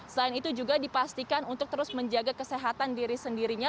selain itu juga dipastikan untuk terus menjaga kesehatan diri sendirinya